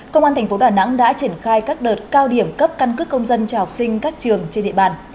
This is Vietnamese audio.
công an tp đà nẵng đã triển khai các đợt cao điểm cấp căn cức công dân cho học sinh các trường trên địa bàn